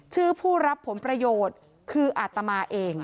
ผู้รับผลประโยชน์คืออาตมาเอง